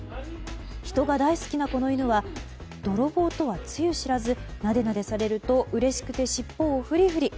人が大好きなこの犬は泥棒とはつゆ知らずなでなでされるとうれしくて、尻尾をふりふり。